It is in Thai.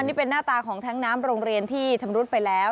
นี่เป็นหน้าตาของแท้งน้ำโรงเรียนที่ชำรุดไปแล้ว